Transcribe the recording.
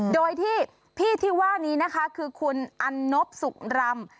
โดยที่พี่ที่ว่านี้นะคะคือคุณอันนบสุขรำ